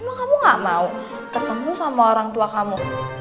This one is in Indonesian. emang kamu gak mau ketemu sama orang tua kamu